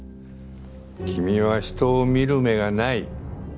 君は人を見る目がない。